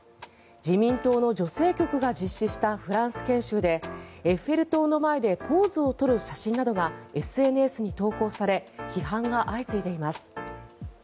自民党の女性局が実施したフランス研修でエッフェル塔の前でポーズを取る写真などがＳＮＳに投稿され批判が相次いでいます。